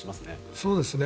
そうですね。